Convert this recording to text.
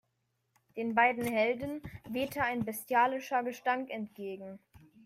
Den beiden Helden wehte ein bestialischer Gestank entgegen.